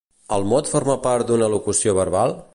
El mot forma part d'una locució verbal?